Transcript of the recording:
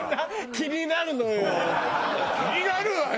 気になるわよ！